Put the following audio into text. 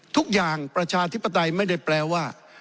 ทุกอย่างประชาธิปไตยไม่ได้แปลว่า